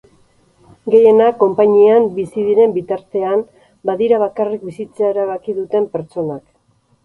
Gehienak konpainian bizi diren bitartean, badira bakarrik bizitzea erabaki duten pertsonak.